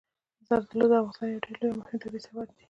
زردالو د افغانستان یو ډېر لوی او مهم طبعي ثروت دی.